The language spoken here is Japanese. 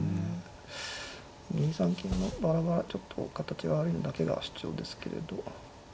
２三金のバラバラちょっと形が悪いのだけが主張ですけれど。